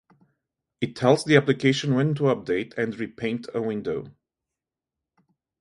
It tells the application when to update and repaint a window.